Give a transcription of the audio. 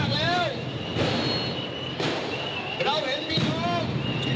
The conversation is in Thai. เราเห็นพี่น้อง